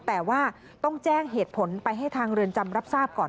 แต่ว่าต้องแจ้งเหตุผลไปให้ทางเรือนจำรับทราบก่อน